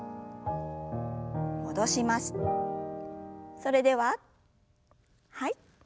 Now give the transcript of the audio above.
それでははい。